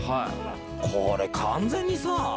これ完全にさ